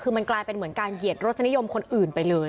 คือมันกลายเป็นเหมือนการเหยียดรสนิยมคนอื่นไปเลย